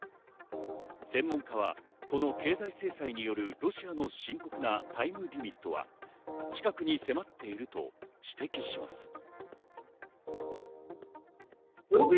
専門家はこの経済制裁によるロシアの深刻なタイムリミットは近くに迫っていると指摘します。